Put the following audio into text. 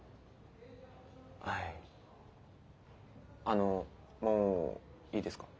あのもういいですか？